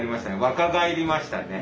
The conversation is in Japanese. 若返りましたね。